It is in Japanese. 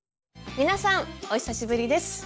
皆さん！お久しぶりです。